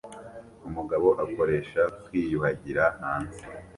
Umugabo akoresha kwiyuhagira hanze